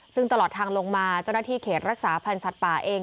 ซึ่งตลอดทางลงมาเจ้าหน้าที่เขตรักษาพันธ์สัตว์ป่าเอง